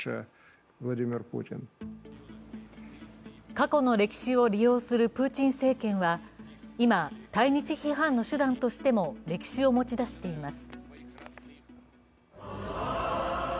過去の歴史を利用するプーチン政権は今、対日批判の手段としても歴史を持ちだしています。